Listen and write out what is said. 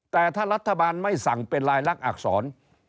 แต่ถ้ารัฐบาลไม่สั่งเป็นรายลักษร